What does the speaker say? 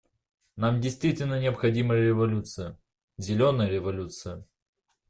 Нам действительно необходима революция — «зеленая революция».